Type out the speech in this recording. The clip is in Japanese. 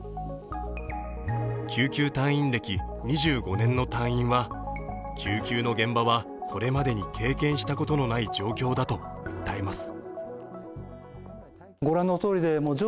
救急隊員歴２５年の隊員は、救急の現場はこれまでに経験したことのない状況だと訴えます。